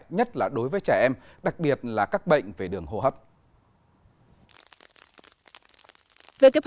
nhất là đối với trẻ em đặc biệt là các bệnh về đường hô hấp